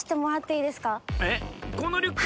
えっ？